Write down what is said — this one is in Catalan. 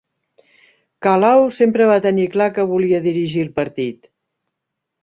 Calau sempre va tenir clar que volia dirigir el partit